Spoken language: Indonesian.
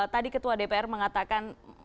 tadi ketua dpr mengatakan